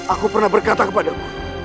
aku pernah berkata kepadamu